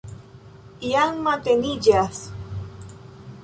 Jam mateniĝas.